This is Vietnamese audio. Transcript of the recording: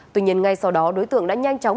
tuy nhiên ngay sau đó đối tượng đã nhanh chóng